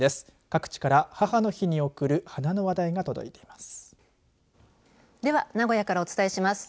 各地から母の日に贈る花の話題が届いています。